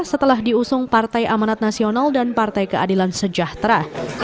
setelah diusung partai amanat nasional dan partai keadilan sejahtera